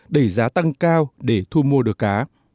đẩy giá tăng cao để thu mua được cá